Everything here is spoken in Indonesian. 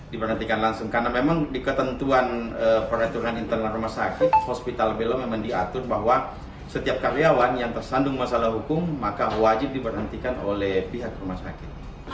diberhentikan langsung karena memang di ketentuan peraturan internal rumah sakit hospital belo memang diatur bahwa setiap karyawan yang tersandung masalah hukum maka wajib diberhentikan oleh pihak rumah sakit